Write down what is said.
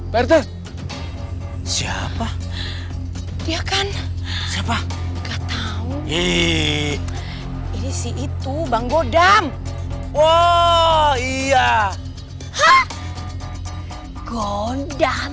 pertes siapa dia kan siapa nggak tahu ini sih itu bang godam oh iya godam